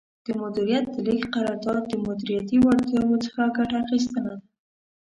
د مدیریت د لیږد قرار داد د مدیریتي وړتیاوو څخه ګټه اخیستنه ده.